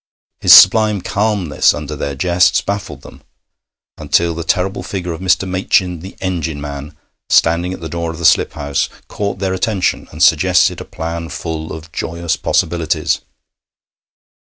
His sublime calmness under their jests baffled them until the terrible figure of Mr. Machin, the engine man, standing at the door of the slip house, caught their attention and suggested a plan full of joyous possibilities.